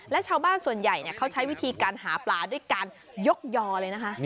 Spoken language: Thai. และชาวบ้านส่วนใหญ่เขาใช้วิธีการหาปลาด้วยการยกยอเลยนะคะ